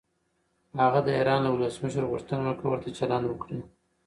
هغه د ایران له ولسمشر غوښتنه وکړه ورته چلند وکړي.